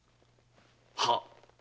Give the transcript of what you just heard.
はっ。